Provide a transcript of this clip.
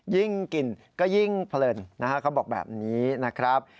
ยิ่งกินก็ยิ่งเพลินนะฮะเขาบอกแบบนี้นะครับ